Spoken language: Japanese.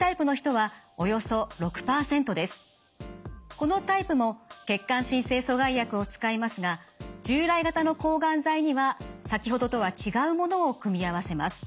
このタイプも血管新生阻害薬を使いますが従来型の抗がん剤には先ほどとは違うものを組み合わせます。